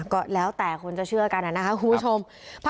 ก็แล้วแต่คนจะเชื่อกันนะครับคุณผู้ชม